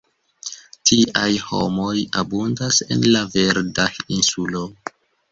Tiaj homoj abundas en la Verda Insulo.